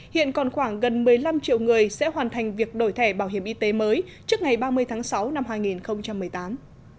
hiện còn khoảng gần một mươi năm triệu người sẽ hoàn thành việc đổi thẻ bảo hiểm y tế mới trước ngày ba mươi tháng sáu năm hai nghìn một mươi tám